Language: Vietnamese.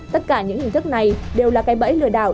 tất cả những hình thức này đều là cây bẫy lừa đảo